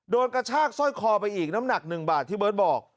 กระชากสร้อยคอไปอีกน้ำหนัก๑บาทที่เบิร์ตบอก